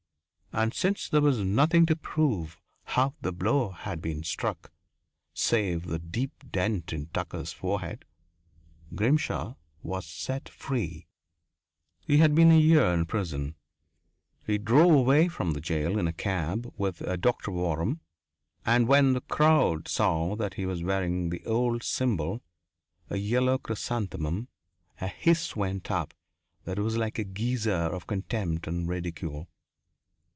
And since there was nothing to prove how the blow had been struck, save the deep dent in Tucker's forehead, Grimshaw was set free. He had been a year in prison. He drove away from the jail in a cab with Doctor Waram, and when the crowd saw that he was wearing the old symbol a yellow chrysanthemum a hiss went up that was like a geyser of contempt and ridicule.